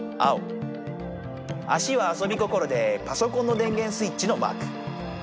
足はあそび心でパソコンの電源スイッチのマーク。